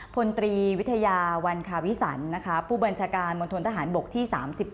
พนตรีวิทยาวันคาวิสันค์ผู้บัญชาการมวลธนฐานบกที่๓๘